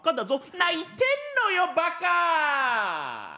「泣いてんのよバカ！」。